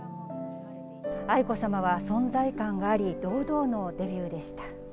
愛子さまは存在感があり、堂々のデビューでした。